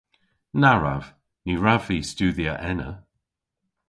Na wrav. Ny wrav vy studhya ena.